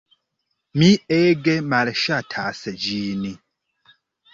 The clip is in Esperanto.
Mi ege malŝatas ĝin.